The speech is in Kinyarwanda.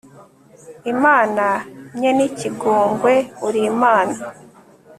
imana nyen'ikigongwe, uri imana